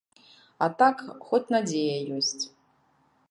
А так, хоць надзея ёсць.